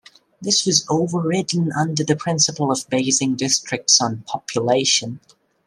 This was overridden under the principle of basing districts on population.